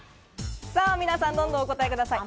皆さんどんどんお答えください。